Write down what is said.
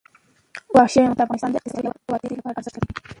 وحشي حیوانات د افغانستان د اقتصادي ودې لپاره ارزښت لري.